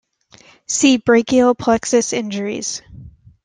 See brachial plexus injuries.